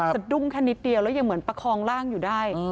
สะดุ้งแค่นิดเดียวแล้วยังเหมือนประคองร่างอยู่ได้